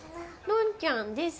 ノンちゃんです。